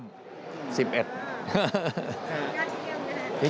ยอดเยี่ยมก็ได้